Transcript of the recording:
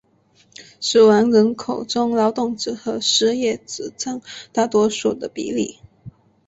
死亡人口中劳动者和失业者占大多数的比例。